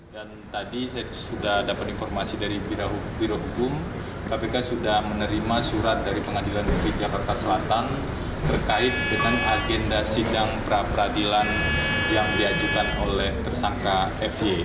dan tadi saya sudah dapat informasi dari birohukum kpk sudah menerima surat dari pengadilan negeri jakarta selatan terkait dengan agenda sidang pra peradilan yang diajukan oleh tersangka fj